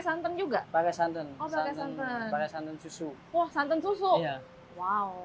santan juga pakai santan santan susu santan susu wow